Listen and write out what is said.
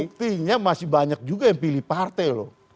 buktinya masih banyak juga yang pilih partai loh